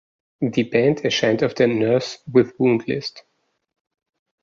Die Band erscheint auf der „Nurse with Wound list“.